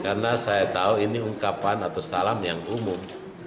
karena saya tahu ini ungkapan atau salam yang umum